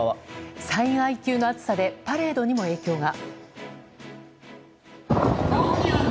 災害級の暑さでパレードにも影響が。